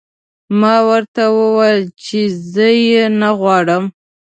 ما ورته وویل چې زه یې نه غواړم